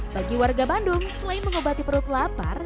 bagi warga bandung selain mengobati perut lapar